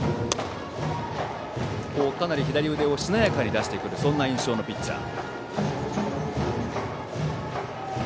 かなり左腕をしなやかに出してくるそんな印象のピッチャー。